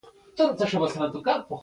الله پاک دې ټول مسلمانان هدایت کړي.